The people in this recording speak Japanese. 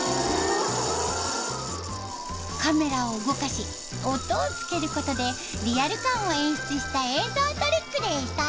カメラを動かし音をつける事でリアル感を演出した映像トリックでした。